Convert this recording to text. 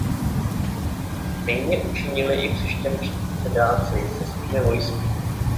Stejně učinili i křesťanští předáci se svými vojsky.